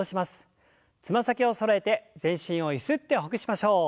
つま先をそろえて全身をゆすってほぐしましょう。